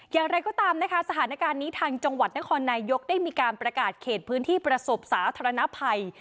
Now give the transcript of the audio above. อย่างไรก็ตามนะคะสถานการณ์นี้ทางจังหวัดนครนายกได้มีการประกาศเขตพื้นที่ประสบสาธารณภัย